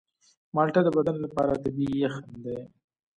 مالټه د بدن لپاره طبیعي یخن دی.